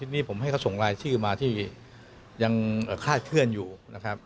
นี้ผมส่งรายชื่อมานะครับที่ค่าเทื่อนอยู่นะครับ